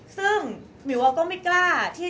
ซึ่งมิวก็ไม่กล้าที่จะถ่ายที